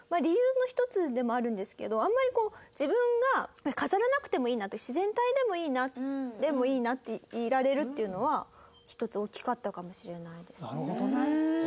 あんまりこう自分が飾らなくてもいいなって自然体でもいいなでもいいなっていられるっていうのは１つ大きかったかもしれないですね。